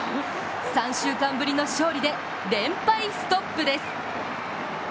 ３週間ぶりの勝利で連敗ストップです。